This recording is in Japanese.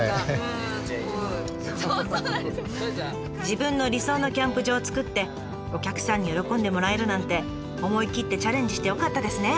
自分の理想のキャンプ場をつくってお客さんに喜んでもらえるなんて思い切ってチャレンジしてよかったですね！